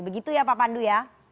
begitu ya pak pandu ya